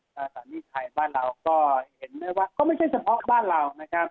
สถานีไทยบ้านเราก็เห็นได้ว่าก็ไม่ใช่เฉพาะบ้านเรานะครับ